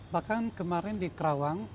bahkan kemarin di kerawang